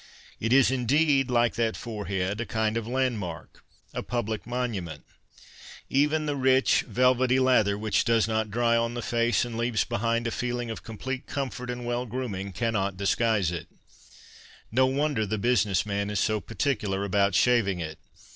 It is, indeed, like that forehead, a kind of landmark, a public nioiui ment. Even the rich, velvety lather, which docs not dry on the face and leaves behind a feeling of complete comfort and well grooming, cannot dis 297 PASTICHE AND PREJUDICE guise it. No wonder the business man is so particu lar about shaving it